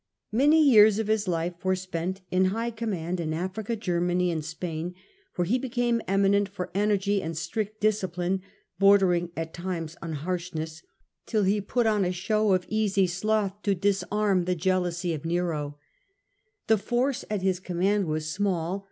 Many years of his life were spent in high command in Africa, Germany, and Spain, where he be came eminent for energy and strict discipline, bordering at times on harshness, till he put on a show of easy sloth to disarm the jealousy of Nero. The force at ^ governor his command was small.